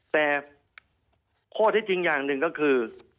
แต่ข้อที่จริงอย่างหนึ่งก็คือ